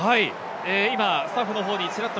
今、スタッフの方にちらっと